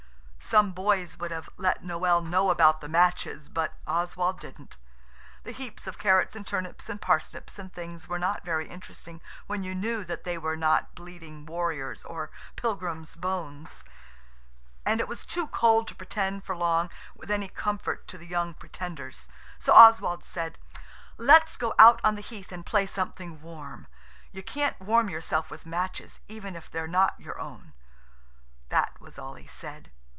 Some boys would have let Noël know about the matches but Oswald didn't The heaps of carrots and turnips and parsnips and things were not very interesting when you knew that they were not bleeding warriors' or pilgrims' bones, and it was too cold to pretend for long with any comfort to the young Pretenders. So Oswald said– "Let's go out on the Heath and play something warm. You can't warm yourself with matches, even if they're not your own." That was all he said.